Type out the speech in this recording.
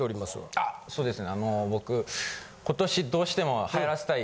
あっそうですね。